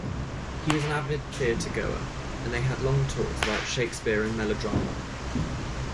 He was an avid theatregoer, and they had long talks about Shakespeare and melodrama.